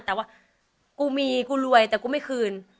แต่ว่ากูมีกูรวยแต่กูไม่คืน